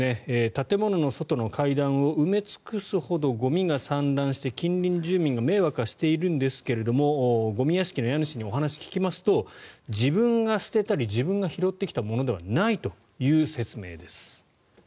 建物の外の階段を埋め尽くすほどゴミが散乱して近隣住民が迷惑はしているんですけれどゴミ屋敷の家主にお話を聞きますと自分が捨てたり自分が拾ってきたものではないという説明です。